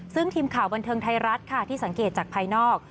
ซึ่งทีมข่าวบันเทิงไทยรัฐค่ะที่สังเกตจากภายนอก